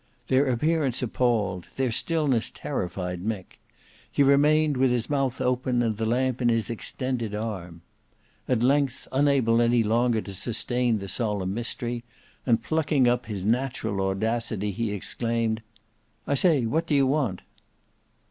Their appearance appalled, their stillness terrified, Mick: he remained with his mouth open and the lamp in his extended arm. At length, unable any longer to sustain the solemn mystery, and plucking up his natural audacity, he exclaimed, "I say, what do you want?"